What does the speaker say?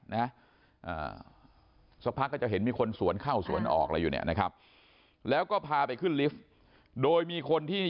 สักพักก็จะเห็นมีคนสวนเข้าสวนออก